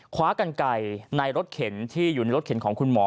คว้ากันไก่ในรถเข็นที่อยู่ในรถเข็นของคุณหมอ